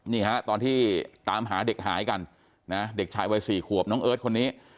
นี่ฮะตอนที่ตามหาเด็กหายกันนะเด็กชายวัย๔ขวบน้องเอิร์ทคนนี้